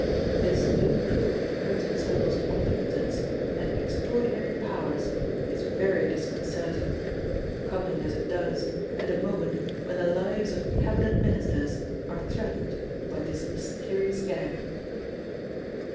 'This new proof of the Crimson Circle's omnipotence and extraordinary powers is very disconcerting, coming, as it does, at a moment when the lives of Cabinet Ministers are threatened by this mysterious gang.'